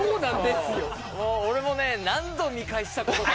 俺も何度見返したことか。